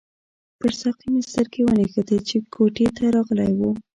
پر ساقي مې سترګې ونښتې چې کوټې ته راغلی وو.